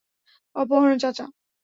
অপহরণ, চাচা।